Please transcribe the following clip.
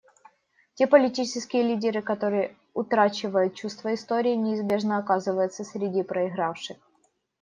Те политические лидеры, которые утрачивают чувство истории, неизбежно оказываются среди проигравших.